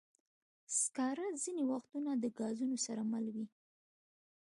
سکاره ځینې وختونه د ګازونو سره مله وي.